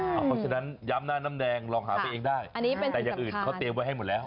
เพราะฉะนั้นย้ำนะน้ำแดงลองหาไปเองได้แต่อย่างอื่นเขาเตรียมไว้ให้หมดแล้ว